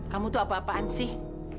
kamu tuh apa apaan sih